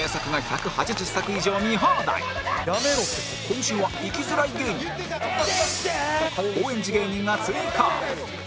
今週は生きづらい芸人高円寺芸人が追加